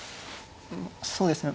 そうですね